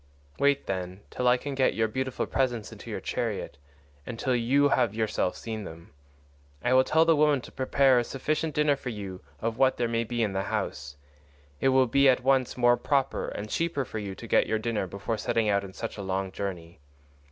Wait, then, till I can get your beautiful presents into your chariot, and till you have yourself seen them. I will tell the women to prepare a sufficient dinner for you of what there may be in the house; it will be at once more proper and cheaper for you to get your dinner before setting out on such a long journey.